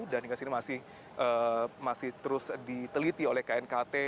dan hingga sini masih terus diteliti oleh knkt